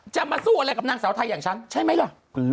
จะมาสู้อะไรกับนางสาวไทยอย่างฉันใช่ไหมล่ะ